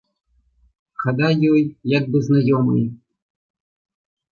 Хада ёй як бы знаёмая.